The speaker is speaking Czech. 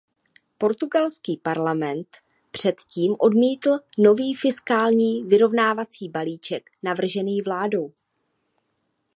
Portugalský parlament předtím odmítl nový fiskální vyrovnávací balíček navržený vládou.